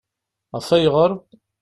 Af ayɣeṛ?